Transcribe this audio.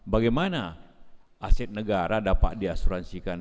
bagaimana aset negara dapat diasuransikan